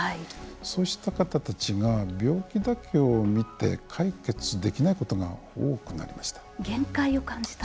そうした方たちが病気だけをみて解決できないことが限界を感じたと？